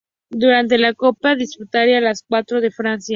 Durante la copa disputaría los cuatro de Francia.